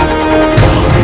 jangan letak dieta setiap saat